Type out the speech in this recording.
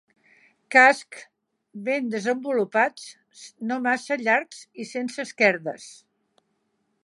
Cascs ben desenvolupats, no massa llargs i sense esquerdes.